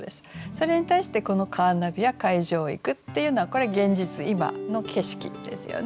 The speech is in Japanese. それに対して「このカーナビは海上を行く」っていうのはこれ現実今の景色ですよね。